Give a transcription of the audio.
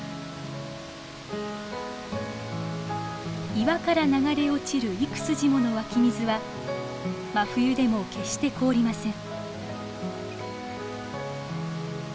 岩から流れ落ちる幾筋ものわき水は真冬でも決して凍りません。